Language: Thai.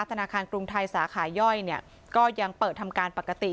ธนาคารกรุงไทยสาขาย่อยก็ยังเปิดทำการปกติ